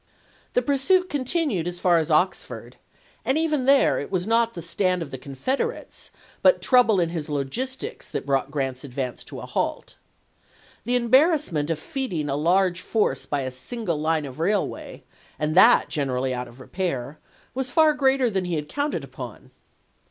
The pursuit continued as far as Oxford, and even there it was not the stand of the Confederates but trouble in his logistics that brought Grant's advance to a halt. The embarrass ment of feeding a large force by a single line of railway, and that generally out of repair, was far greater than he had counted upon.